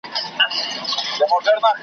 يو په بل مي انسانان دي قتل كړي .